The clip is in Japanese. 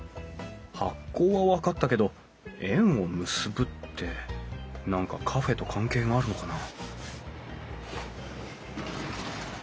「発酵」は分かったけど「縁を結ぶ」って何かカフェと関係があるのかな？